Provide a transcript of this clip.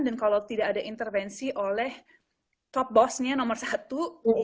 dan kalau tidak ada intervensi oleh top bosnya nomor satu